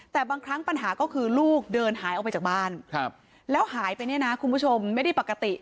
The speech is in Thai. แต่บางครั้งปัญหาก็คือลูกเดินหายออกไปจากบ้านแล้วหายไปเนี่ยนะคุณผู้ชมไม่ได้ปกติ